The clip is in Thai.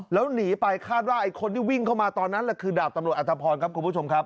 แล้วหนีไปคาดว่าไอ้คนที่วิ่งเข้ามาตอนนั้นแหละคือดาบตำรวจอัตภพรครับคุณผู้ชมครับ